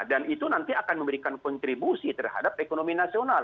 dan itu nanti akan memberikan kontribusi terhadap ekonomi nasional